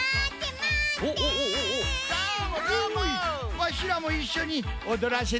わしらもいっしょにおどらせておくれ。